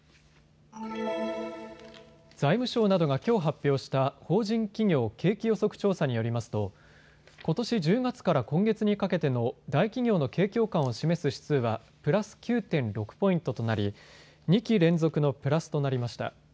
財務省などがきょう発表した法人企業景気予測調査によりますとことし１０月から今月にかけての大企業の景況感を示す指数はプラス９．６ポイントとなり２期連続のプラスとなりました。